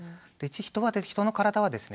人の体はですね